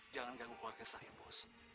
jangan ganggu keluarga saya bos